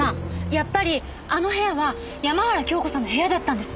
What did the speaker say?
やっぱりあの部屋は山原京子さんの部屋だったんです。